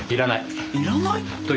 いらない。